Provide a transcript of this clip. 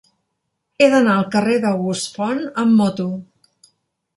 He d'anar al carrer d'August Font amb moto.